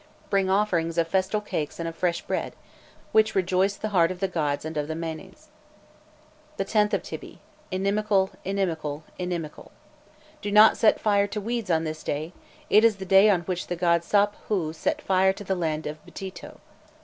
Bring offerings of festal cakes and of fresh bread, which rejoice the heart of the gods and of the manes. The 10th of Tybi: inimical, inimical, mimical. Do not set fire to weeds on this day: it is the day on which the god Sap hôû set fire to the land of Btito.